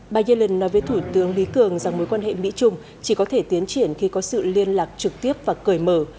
bà yellen nói với thủ tướng lý cường rằng mối quan hệ mỹ trung chỉ có thể tiến triển khi có sự liên lạc trực tiếp và cởi mở